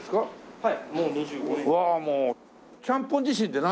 はい。